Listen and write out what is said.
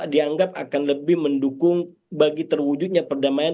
dianggap akan lebih mendukung bagi terwujudnya perdamaian